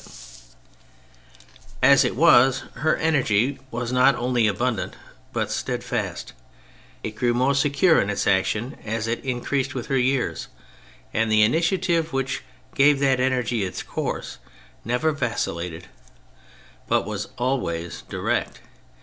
46 THE FRENCH REVOLUTION As it was, her energy was not only abundant but steadfast ; it grew more secure in its action as it increased with her years, and the initiative which gave that energy its course never vacillated, but was alwavs direct.